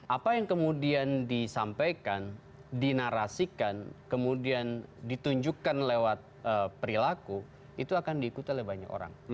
apa yang kemudian disampaikan dinarasikan kemudian ditunjukkan lewat perilaku itu akan diikuti oleh banyak orang